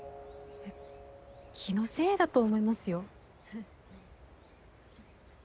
気のせいだと思いますよ。